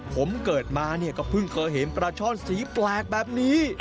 ผมเกิดมาเนี่ยก็เพิ่งเคยเห็นปลาช่อนสีแปลกแบบนี้